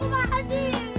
tidak tidak tidak tidak